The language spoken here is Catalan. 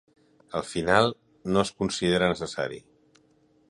Al final, no es considera necessari.